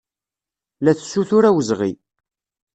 La tessutur awezɣi.